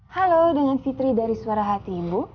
halo dengan fitri dari suara hati ibu